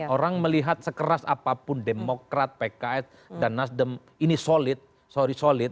orang melihat sekeras apapun demokrat pks dan nasdem ini solid sorry solid